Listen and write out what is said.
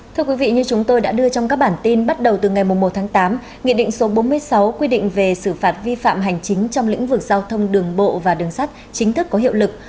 thưa quý vị như chúng tôi đã đưa trong các bản tin bắt đầu từ ngày một tháng tám nghị định số bốn mươi sáu quy định về xử phạt vi phạm hành chính trong lĩnh vực giao thông đường bộ và đường sắt chính thức có hiệu lực